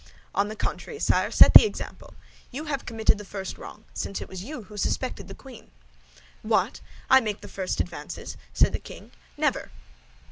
"On the contrary, sire, set the example. You have committed the first wrong, since it was you who suspected the queen." "What! I make the first advances?" said the king. "Never!"